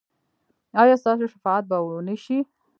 ایا ستاسو شفاعت به و نه شي؟